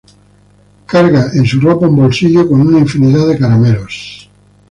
Carga en su ropa un bolsillo con una infinidad de caramelos.